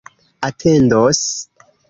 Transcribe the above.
atendos